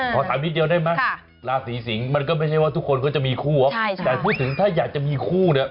ขอถามนิดเดียวได้ไหมราศีสิงศ์มันก็ไม่ใช่ว่าทุกคนก็จะมีคู่แต่พูดถึงถ้าอยากจะมีคู่เนี่ย